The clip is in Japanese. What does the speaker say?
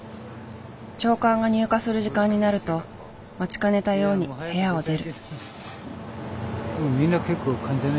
朝刊が入荷する時間になると待ちかねたように部屋を出る。